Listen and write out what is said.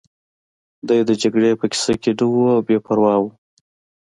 دی د جګړې په کیسه کې نه و او بې پروا و